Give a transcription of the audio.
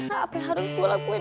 nah apa yang harus gue lakuin